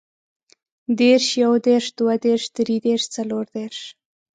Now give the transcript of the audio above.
دېرش، يودېرش، دوهدېرش، دريدېرش، څلوردېرش